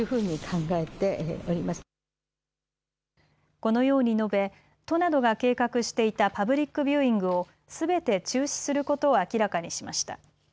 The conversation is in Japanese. このように述べ、都などが計画していたパブリックビューイングをすべて中止することを明らかにしました。